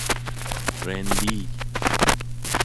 رندی